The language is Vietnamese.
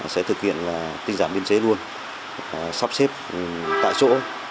sẽ thực hiện tinh giảm biên chế luôn sắp xếp tại chỗ